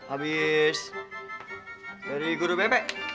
abis dari guru bebek